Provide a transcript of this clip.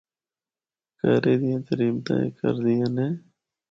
کہرے دیاں تریمتاں اے کردیاں نے۔